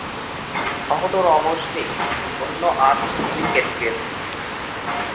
সহোদর অমর সিং অন্য আট উইকেট পেয়েছিলেন।